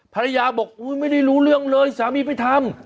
ภรรยาบอกไม่ได้รู้เรื่องเลยสามีไปทำ